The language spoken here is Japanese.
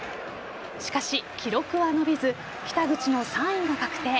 しかし、記録は伸びず北口の３位が確定。